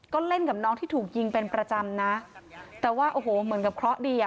ก็เล่นกับน้องที่ถูกยิงเป็นประจำนะแต่ว่าโอ้โหเหมือนกับเคราะห์ดีอ่ะ